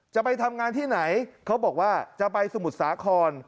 จะไปทำงานที่ไหนเขาบอกว่าจะไปสมุทรสาคร